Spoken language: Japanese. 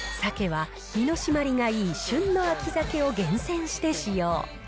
鮭は、身の締まりが旬の秋鮭を厳選して使用。